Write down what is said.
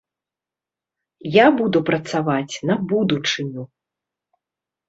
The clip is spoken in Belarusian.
Я буду працаваць на будучыню.